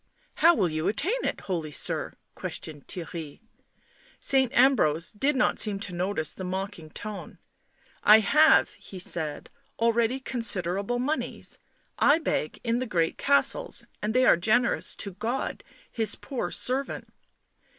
"How will you attain it, holy sir?" questioned Theirry. Saint Ambrose did not seem to notice the mocking tone. " I have," he said, " already considerable moneys. I beg in the great castles, and they are generous to God His poor servant.